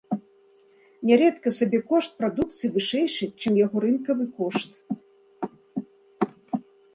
Нярэдка сабекошт прадукцыі вышэйшы, чым яго рынкавы кошт.